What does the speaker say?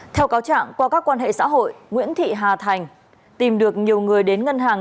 theo cáo trạng qua các quan hệ xã hội nguyễn thị hà thành tìm được nhiều người đến ngân hàng